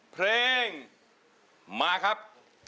เพลงมาครับ